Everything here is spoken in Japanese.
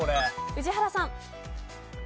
宇治原さん！